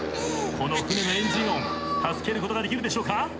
この船のエンジン音助けることができるでしょうか。